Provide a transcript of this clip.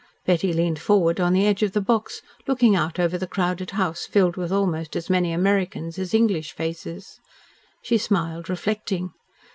Betty leaned forward on the edge of the box, looking out over the crowded house, filled with almost as many Americans as English faces. She smiled, reflecting.